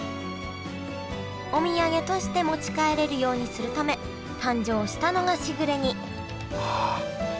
お土産として持ち帰れるようにするため誕生したのがしぐれ煮ああ。